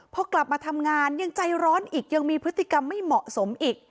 พอกลับมาทำงานยังใจร้อนอีกยังมีพฤติกรรมไม่เหมาะสมอีก